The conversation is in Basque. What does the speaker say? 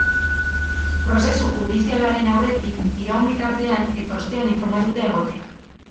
Prozesu judizialaren aurretik, iraun bitartean eta ostean informatuta egotea.